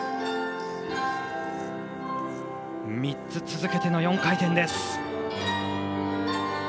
３つ続けての４回転です。